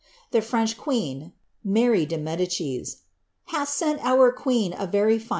The French queen," (Mary de .Medicia.) " hath sent our queen a very lir.